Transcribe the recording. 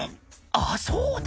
あっそうだ」